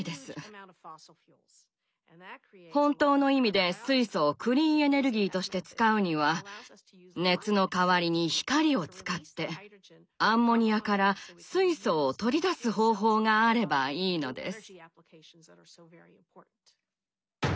本当の意味で水素をクリーンエネルギーとして使うには熱の代わりに光を使ってアンモニアから水素を取り出す方法があればいいのです。